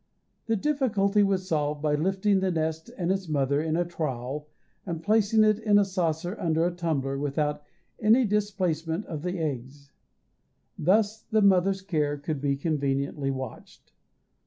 The difficulty was solved by lifting the nest and its mother with a trowel and placing it in a saucer under a tumbler, without any displacement of the eggs; thus the mother's care could be conveniently watched.